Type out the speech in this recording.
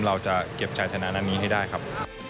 เราจะเก็บใจฐานานนี้ให้ได้ครับ